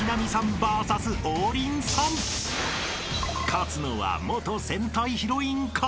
［勝つのは元戦隊ヒロインか？］